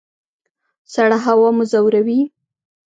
سړه هوا مو ځوروي؟